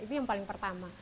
itu yang paling pertama